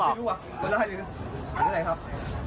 เห็นว่ามีพื้นสองกระบอก